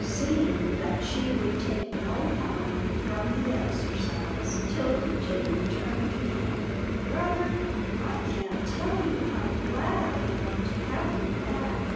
Seeing that she would take no harm from the exercise, 'Tilda Jane turned to Hank, " Brother, I can't tell you how glad I am to have you back.